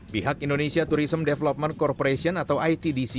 pihak indonesia tourism development corporation atau itdc